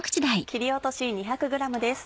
切り落とし２００ｇです。